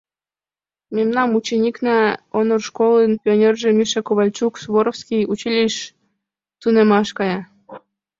— Мемнан ученикна, Онор школын пионерже Миша Ковальчук, Суворовский училищыш тунемаш кая.